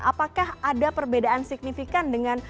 apakah ada perbedaan signifikan